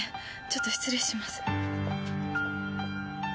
ちょっと失礼します。